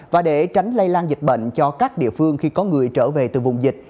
và để tránh lây lan dịch bệnh cho các địa phương khi có người trở về từ vùng dịch